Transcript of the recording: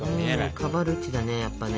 カバルッチだねやっぱね。